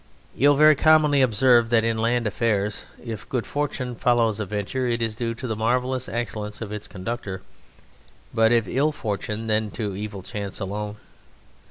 You will very commonly observe that, in land affairs, if good fortune follows a venture it is due to the marvellous excellence of its conductor, but if ill fortune, then to evil chance alone.